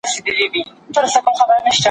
د بشري علومو معاونيت ته